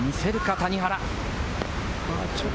谷原。